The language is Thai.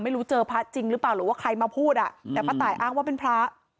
ไม่รู้เจอพระจริงหรือเปล่าหรือว่าใครมาพูดอ่ะแต่ป้าตายอ้างว่าเป็นพระ